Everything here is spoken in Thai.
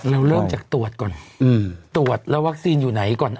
เริ่มจากตรวจก่อนตรวจแล้ววัคซีนอยู่ไหนก่อน